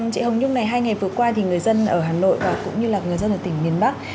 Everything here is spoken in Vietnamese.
chị hồng nhung này hai ngày vừa qua thì người dân ở hà nội và cũng như là người dân ở tỉnh miền bắc